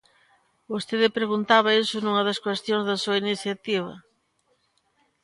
Vostede preguntaba iso nunha das cuestións da súa iniciativa.